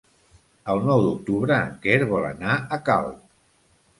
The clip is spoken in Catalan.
El nou d'octubre en Quer vol anar a Calp.